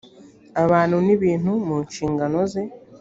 abantu n ibintu mu nshingano ze